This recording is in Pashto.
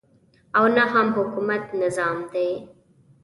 او نه هم حکومت نظام دی.